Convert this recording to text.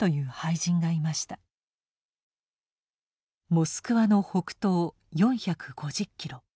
モスクワの北東４５０キロ。